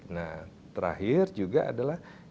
nah terakhir juga adalah